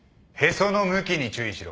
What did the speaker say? その向きに注意しろ。